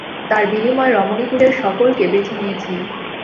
তার বিনিময়ে রমণীকুলের সকলকে বেছে নিয়েছি।